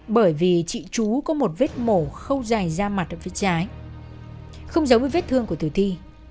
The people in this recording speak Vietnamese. bởi vì chị chú có một vết mổ khâu dài ra mặt ở phía trái không giống với vết thương của thủy thi